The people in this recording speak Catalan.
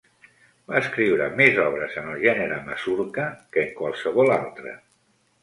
Va escriure més obres en el gènere masurca, que en qualsevol altre.